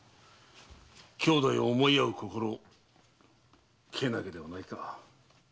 兄弟を思い合う心けなげではないか。